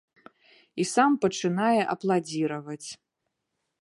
І сам пачынае апладзіраваць.